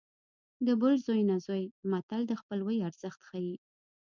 د بل زوی نه زوی متل د خپلوۍ ارزښت ښيي